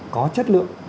có chất lượng